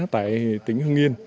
tại tỉnh hưng yên